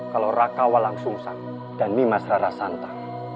kalau rakawa langsungsan dan nimas rarasanta